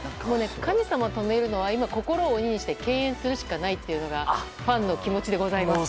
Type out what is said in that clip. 神様を止めるのは今、心を鬼にして敬遠するしかないというのがファンの気持ちでございます。